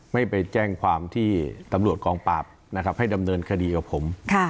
ไม่ไปแจ้งความที่ตำรวจกองปราบนะครับให้ดำเนินคดีกับผม